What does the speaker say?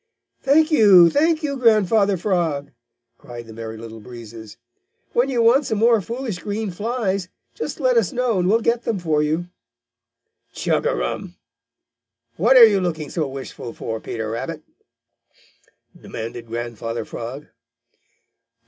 "Thank you! Thank you, Grandfather Frog!" cried the Merry Little Breezes. "When you want some more foolish green flies, just let us know, and we'll get them for you." "Chug a rum! What are you looking so wistful for, Peter Rabbit?" demanded Grandfather Frog.